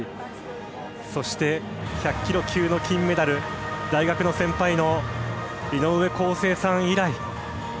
そして１００ｋｇ級の金メダル大学の先輩の井上康生さん以来。